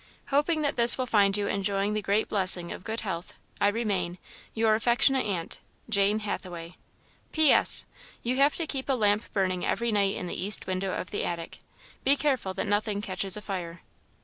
Hoping that this will find you enjoying the great blessing of good health, I remain, "Your Affectionate Aunt, "JANE HATHAWAY. "P. S. You have to keep a lamp burning every night in the east window of the attic. Be careful that nothing catches afire."